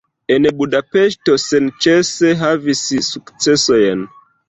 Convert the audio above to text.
En Budapeŝto senĉese havis sukcesojn.